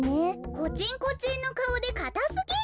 コチンコチンのかおでかたすぎる。